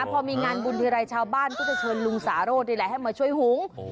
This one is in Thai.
พอมีงานก็จะช่วยหมู่ชาวบ้านมาช่วยหง